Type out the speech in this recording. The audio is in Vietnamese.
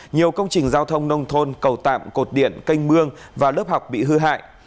nhiều công trình giao thông nông thôn cầu tạm cột điện canh mương và lớp học bị hư hại